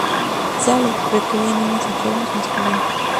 Tláloc requería niños enfermos masculinos.